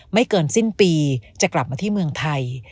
ไม่เกินสิ้นปีจะกลับมาที่เมืองไทย